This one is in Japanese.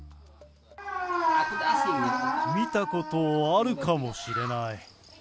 見たことあるかもしれない。